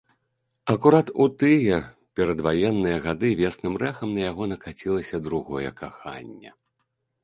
Акурат у тыя перадваенныя гады веснім рэхам на яго накацілася другое каханне.